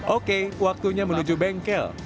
oke waktunya menuju bengkel